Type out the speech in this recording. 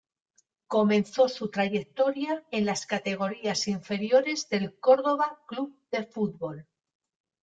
Comenzó su trayectoria en las categorías inferiores del Córdoba Club de Fútbol.